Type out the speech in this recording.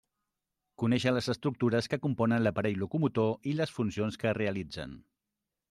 Conéixer les estructures que componen l'aparell locomotor i les funcions que realitzen.